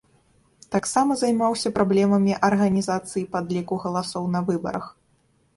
Таксама займаўся праблемамі арганізацыі падліку галасоў на выбарах.